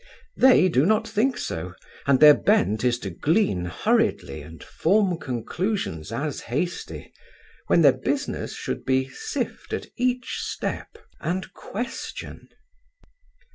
They do not think so, and their bent is to glean hurriedly and form conclusions as hasty, when their business should be sift at each step, and question.